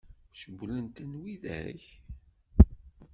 Cewwlen-ten widak?